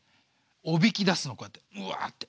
おびき出すのこうやってうわって。